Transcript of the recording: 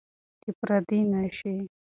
چې پردي نشئ.